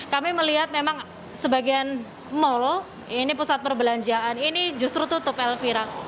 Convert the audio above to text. kami melihat memang sebagian mal ini pusat perbelanjaan ini justru tutup elvira